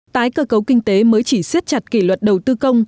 tái cơ cấu kinh tế mới chỉ siết chặt kỷ luật đầu tư công